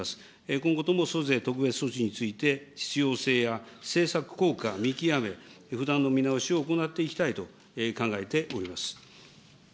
今後とも租税特別措置について、必要性や政策効果見極め、不断の見直しを行っていきたいと考えております。